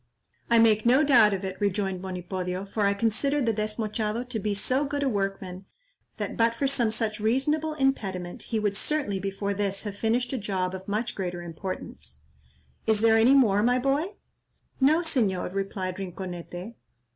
"I make no doubt of it," rejoined Monipodio, "for I consider the Desmochado to be so good a workman, that but for some such reasonable impediment he would certainly before this have finished a job of much greater importance. Is there any more, my boy?" "No, Señor," replied Rinconete.